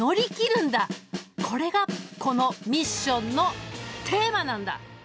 これがこのミッションのテーマなんだ。